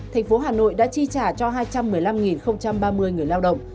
thành phố hà nội đã chi trả cho hai trăm một mươi năm ba mươi người lao động